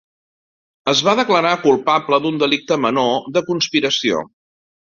Es va declarar culpable d'un delicte menor de conspiració.